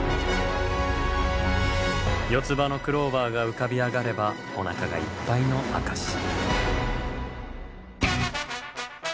４つ葉のクローバーが浮かび上がればおなかがいっぱいの証し。